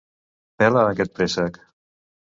Pela aquest préssec!